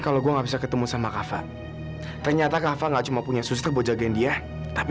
kalau gue nggak bisa ketemu sama kava ternyata kava enggak cuma punya suster bojogendi ya tapi